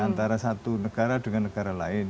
antara satu negara dengan negara lain